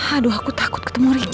aduh aku takut ketemu rindy